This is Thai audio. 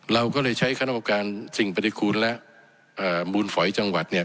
เราก็เลยใช้คณะประการสิ่งปฏิคูณและมูลฝอยจังหวัดเนี่ย